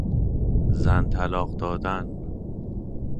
زن طلاق دادن